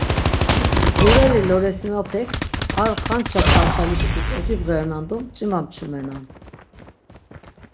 Ğureri loresimapek ar xanç̌a parpaliş tis ok̆ibğerenan do mç̆ima çvumenan.